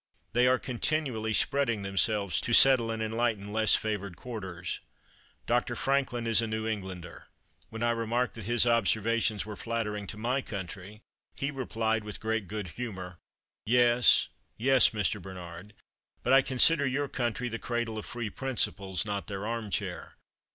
They are continually spreading themselves, too, to settle and enlighten less favored quarters. Dr. Franklin is a New Englander.' When I remarked that his observations were flattering to my country, he replied, with great good humor: 'Yes, yes, Mr. Bernard, but I consider your country the cradle of free principles, not their arm chair.